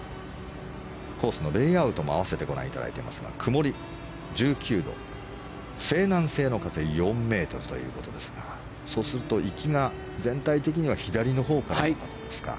コースのレイアウトも併せてご覧いただいていますが曇り、１９度西南西の風４ｍということですがそうすると行きが全体的には左のほうからですか。